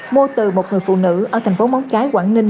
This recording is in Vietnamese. mua từ một người phụ nữ ở thành phố móng cái quảng ninh